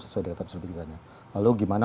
sesuai dengan type certificate nya lalu gimana